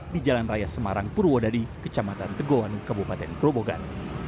di jalan raya semarang purwodadi kecamatan tegoan kabupaten grobogan